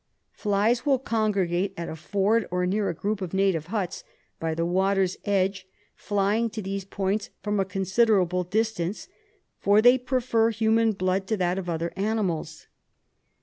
Flies will congregate at a ford or near a group of native huts, by the water's edge, flying to these points from a consider able distance, for they prefer human blood to that of other animals.